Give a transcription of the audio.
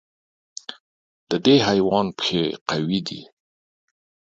د دې حیوان پښې قوي دي.